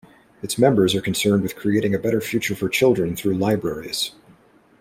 Its members are concerned with creating a better future for children through libraries.